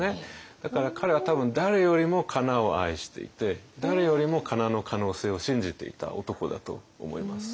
だから彼は多分誰よりもかなを愛していて誰よりもかなの可能性を信じていた男だと思います。